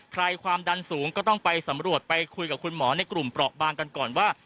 ความดันสูงก็ต้องไปสำรวจไปคุยกับคุณหมอในกลุ่มเปราะบางกันก่อนว่า